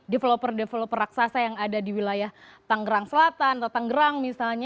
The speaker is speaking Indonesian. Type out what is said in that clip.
developer developer raksasa yang ada di wilayah tanggerang selatan atau tangerang misalnya